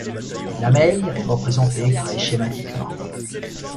La mer est représentée très schématiquement.